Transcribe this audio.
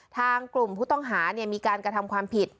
ทางกลุ่มผู้ต้องหามีการกระทำความผิด